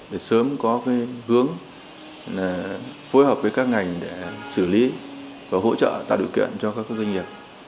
để sớm có hướng phối hợp với các ngành để xử lý và hỗ trợ tạo điều kiện cho các doanh nghiệp